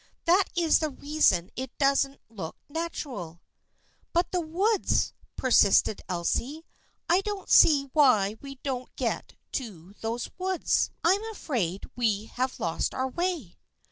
That is the rea son it doesn't look natural." " But the woods," persisted Elsie ;" I don't see why we don't get to those woods. I am afraid we have lost our way."